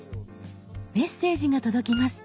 メッセージが届きます。